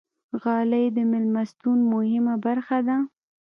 غالۍ د میلمستون مهمه برخه ده.